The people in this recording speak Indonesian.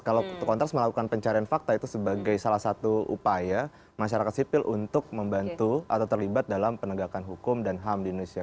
kalau kontras melakukan pencarian fakta itu sebagai salah satu upaya masyarakat sipil untuk membantu atau terlibat dalam penegakan hukum dan ham di indonesia